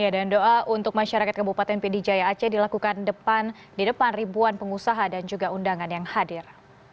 ya dan doa untuk masyarakat kabupaten pindijaya aceh dilakukan di depan ribuan pengusaha dan juga undangan yang hadir